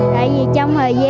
tại vì trong thời gian vui hút á